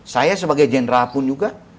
saya sebagai jenderal pun juga